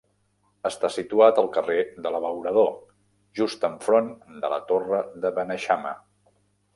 Està situat al carrer de l'Abeurador, just enfront de la torre de Beneixama.